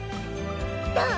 どう？